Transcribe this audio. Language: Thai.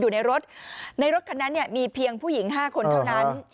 ในรถคันนั้นมีเพียงผู้หญิง๕คนเท่านั้น